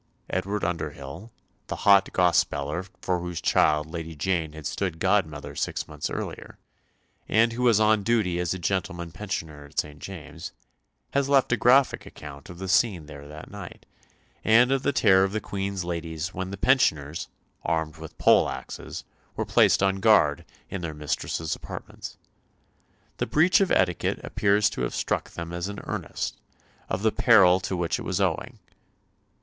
Edward Underhyll, the Hot Gospeller for whose child Lady Jane had stood godmother six months earlier, and who was on duty as a gentleman pensioner at St. James's, has left a graphic account of the scene there that night, and of the terror of the Queen's ladies when the pensioners, armed with pole axes, were placed on guard in their mistress's apartments. The breach of etiquette appears to have struck them as an earnest of the peril to which it was owing.